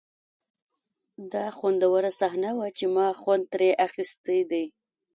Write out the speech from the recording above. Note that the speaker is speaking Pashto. دا خوندوره صحنه وه چې ما خوند ترې اخیستی دی